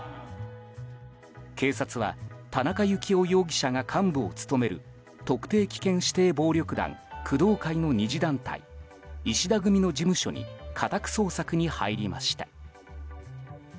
警察は田中幸雄容疑者が幹部を務める特定危険指定暴力団工藤会の２次団体石田組の事務所に家宅捜索に入りました。